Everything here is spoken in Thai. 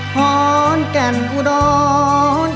หอนแก่นอุดอน